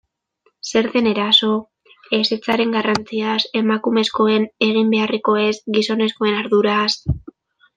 Zer den eraso, ezetzaren garrantziaz, emakumezkoen egin beharrekoez, gizonezkoen arduraz...